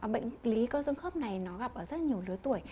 bệnh lý cơ dương khớp này nó gặp ở rất nhiều lứa tuổi